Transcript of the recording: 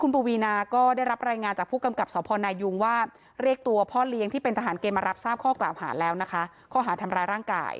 แต่ตำรวจเจอนะคะน